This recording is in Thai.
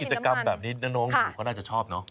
กิจกรรมแบบนี้น้องหนูก็น่าจะชอบเนอะ